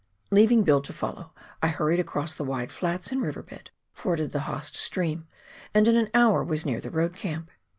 Leaving Bill to follow, I hurried across the wide flats and river bed, forded the Haast stream, and in an hour was near the road camp.